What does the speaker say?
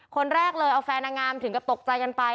คนแรกเลยเอาแฟนนางงามถึงกับตกใจกันไป